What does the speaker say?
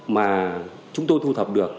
mà chúng tôi thu thập được